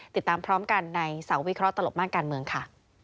ติดตามพร้อมกันในเสาร์วิเคราะห์ตลบม่านการเมืองค่ะ